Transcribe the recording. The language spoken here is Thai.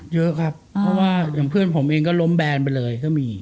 เยอะครับเพราะว่าอย่างเพื่อนผมเองก็ล้มแบนไปเลยก็มี